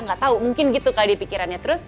gak tau mungkin gitu kali di pikirannya